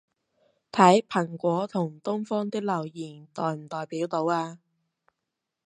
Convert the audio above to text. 睇蘋果同東方啲留言代唔代表到吖